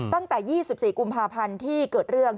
ตั้งแต่๒๔กุมภาพันธ์ที่เกิดเรื่อง